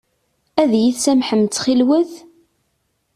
Ad iyi-tsamḥem ttxil-wet?